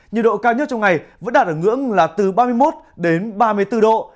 nhiệt độ cao nhất trong ngày vẫn đạt ở ngưỡng là từ ba mươi một đến ba mươi bốn độ